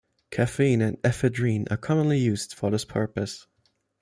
Caffeine and ephedrine are commonly used for this purpose.